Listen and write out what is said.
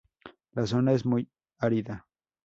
La zona es muy árida.